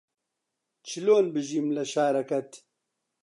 چلۆن بژیم لە شارەکەت